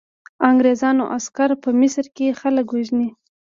انګریزانو عسکر په مصر کې خلک وژني.